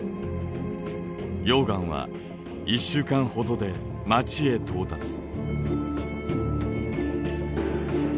溶岩は１週間ほどで街へ到達。